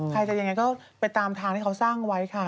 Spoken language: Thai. ใครจะยังไงก็ไปตามทางที่เขาสร้างไว้ค่ะ